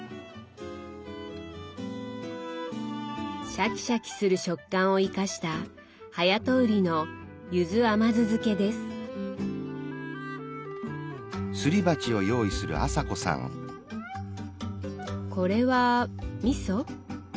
シャキシャキする食感を生かしたこれはみそ？